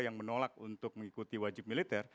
yang menolak untuk mengikuti wajib militer